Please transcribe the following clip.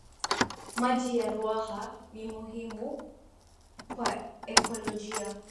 maji ya ruaha ni muhimu kwa ekolojia